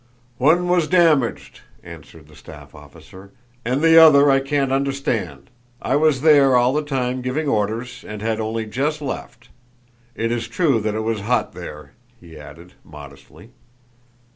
"One was damaged," answered the staff officer, "and the other I can't understand. I was there all the time giving orders and had only just left.... It is true that it was hot there," he added, modestly.